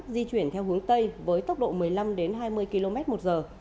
di chuyển theo hướng tây với tốc độ một mươi năm đến hai mươi km một giờ